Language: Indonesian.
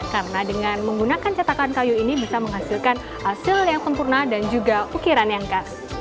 karena dengan menggunakan cetakan kayu ini bisa menghasilkan hasil yang kempurna dan juga ukiran yang khas